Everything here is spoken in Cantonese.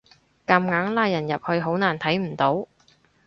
夾硬拉人入去好難睇唔到